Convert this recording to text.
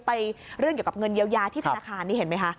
เรื่องเกี่ยวกับเงินเยียวยาที่ธนาคารนี่เห็นไหมคะ